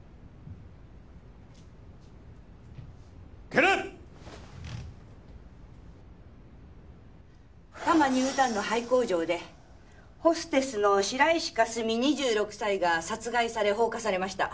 敬礼！多摩ニュータウンの廃工場でホステスの白石佳澄２６歳が殺害され放火されました。